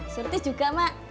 sertif juga mak